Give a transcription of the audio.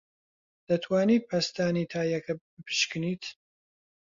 دەتوانیت پەستانی تایەکە بپشکنیت؟